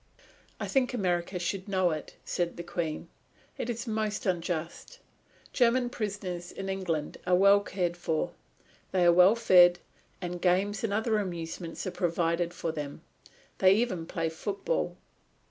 "I think America should know it," said the Queen. "It is most unjust. German prisoners in England are well cared for. They are well fed, and games and other amusements are provided for them. They even play football!"